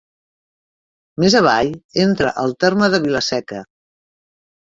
Més avall, entra al terme de Vila-seca.